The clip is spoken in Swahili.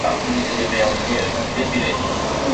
yaliotokea nchini kenya baada ya uchaguzi mkuu